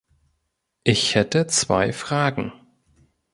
Ich hätte zwei Fragen.